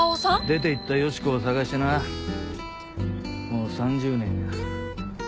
出ていった良子を捜してなもう３０年や。